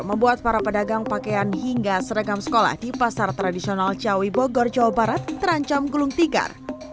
membuat para pedagang pakaian hingga seragam sekolah di pasar tradisional ciawi bogor jawa barat terancam gulung tikar